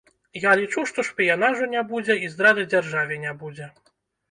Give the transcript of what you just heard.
Я лічу, што шпіянажу не будзе і здрады дзяржаве не будзе.